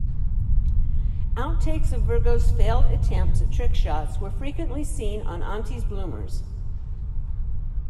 Outtakes of Virgo's failed attempts at trick shots were frequently seen on "Auntie's Bloomers".